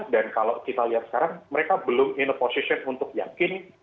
dan kalau kita lihat sekarang mereka belum in a position untuk yakin